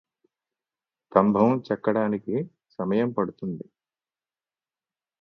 స్తంభం చెక్కడానికి సమయం పడుతుంది